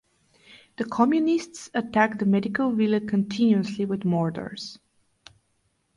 The communists attacked the medical villa continuously with mortars.